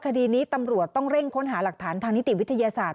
คดีนี้ตำรวจต้องเร่งค้นหาหลักฐานทางนิติวิทยาศาสตร์